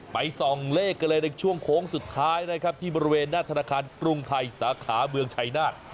ส่องเลขกันเลยในช่วงโค้งสุดท้ายนะครับที่บริเวณหน้าธนาคารกรุงไทยสาขาเมืองชัยนาธ